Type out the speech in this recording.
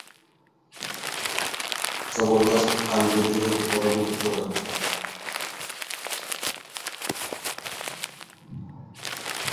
জবরদস্ত খান বিদ্রোহীকে পরাভূত করেন।